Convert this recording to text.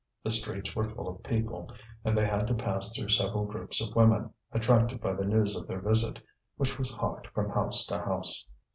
The streets were full of people, and they had to pass through several groups of women, attracted by the news of their visit, which was hawked from house to house.